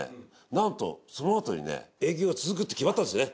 なんとそのあとに営業が続くって決まったんですね。